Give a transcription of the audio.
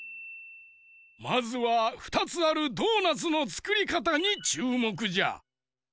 まずは２つあるドーナツのつくりかたにちゅうもくじゃ。